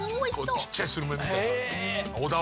ちっちゃいスルメみたいなの。